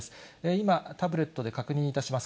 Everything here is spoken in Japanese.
今、タブレットで確認いたします。